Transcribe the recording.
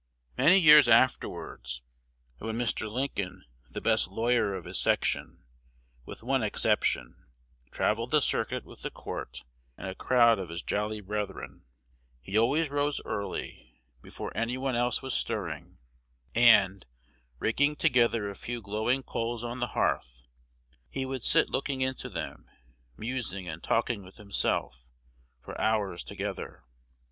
Many years afterwards, when Mr. Lincoln, the best lawyer of his section, with one exception, travelled the circuit with the court and a crowd of his jolly brethren, he always rose early, be fore any one else was stirring, and, raking together a few glowing coals on the hearth, he would sit looking into them, musing and talking with himself, for hours together.